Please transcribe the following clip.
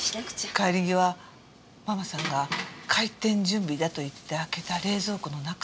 帰り際ママさんが開店準備だと言って開けた冷蔵庫の中は明るかった。